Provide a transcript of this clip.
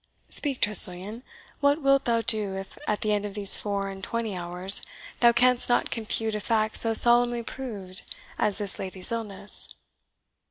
Speak, Tressilian, what wilt thou do if, at the end of these four and twenty hours, thou canst not confute a fact so solemnly proved as this lady's illness?"